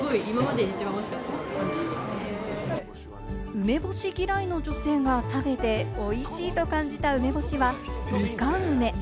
梅干し嫌いの女性が食べて美味しいと感じた梅干しはみかん梅。